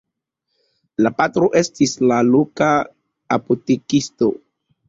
La patro estis la loka apotekisto.